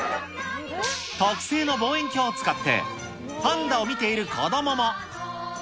特製の望遠鏡を使ってパンダを見ている子どもも。